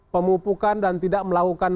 pemupukan dan tidak melakukan